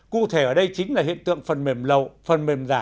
cụ thể ở đây chính là hiện tượng phần mềm lậu phần mềm giả